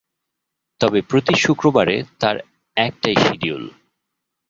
তবে প্রতি শুক্রবারে তার একটাই শিডিউল।